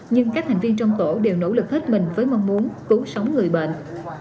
nhưng các thành viên trong tổ đều nỗ lực hết mình với mong muốn cứu sống người bệnh